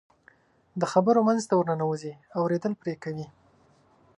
د خبرو منځ ته ورننوځي، اورېدل پرې کوي.